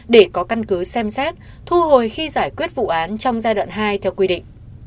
để có căn cứ xem xét thu hồi khi giải quyết vụ án trong giai đoạn hai theo quy định